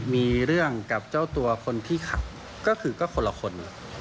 มีเรื่องกับเจ้าตัวคนที่ขับก็คือก็คนละคน